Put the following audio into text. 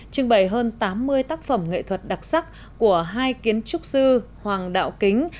trưng bày hơn tám mươi tác phẩm nghệ thuật đặc sắc của hai kiến trúc sư hoàng đạo kính